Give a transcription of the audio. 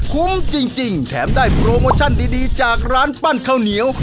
คุ้มจริงแถมได้โปรโมชั่นดีจากร้านปั้นข้าวเหนียว